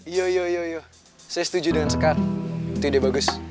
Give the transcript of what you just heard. iya iya iya saya setuju dengan sekar itu ide bagus